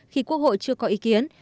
khi quốc hội chưa có ý kiến